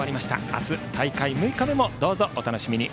明日、大会６日目もどうぞお楽しみに。